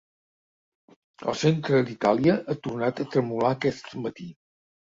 El centre d’Itàlia ha tornat a tremolar aquest matí.